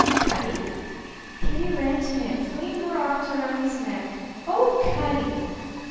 "Cutty?" Kitty ran to him, flinging her arms round his neck. "Oh, Cutty!"